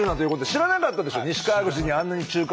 知らなかったです。